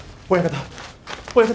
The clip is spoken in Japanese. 親方。